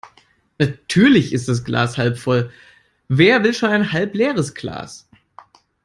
Natürlich ist das Glas halb voll. Wer will schon ein halb leeres Glas?